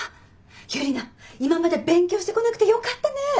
ユリナ今まで勉強してこなくてよかったね。